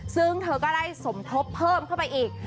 ซึ่งเธอก็ได้สมทบเพิ่มเข้าไปอีก